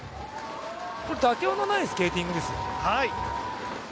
これ妥協のないスケーティングですよ。